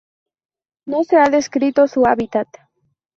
No se ha descrito su hábitat.